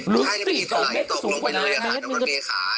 ลึกสู้มากเลยค่ะน้องรถเบย์ค่ะ